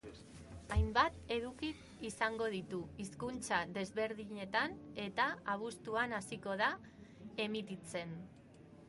Hainbat eduki izango ditu hizkuntza desberdinetan eta abuztuan hasiko da emititzen.